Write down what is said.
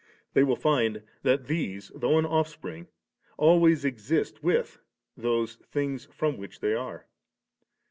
They will find that these, though an ofl^ring, always exist with those things from which they are.